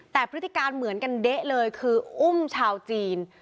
แต่พฤติการเหมือนกันเด๊ะเลยคืออุ้มชาวจีน